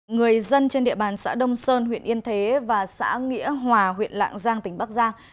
người dân trên địa bàn xã đông sơn huyện yên thế và xã nghĩa hòa huyện lạng giang tỉnh bắc giang